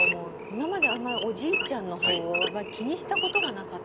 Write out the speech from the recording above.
今まであんまりおじいちゃんのほうを気にしたことがなかったんです。